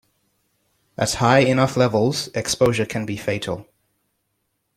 At high enough levels, exposure can be fatal.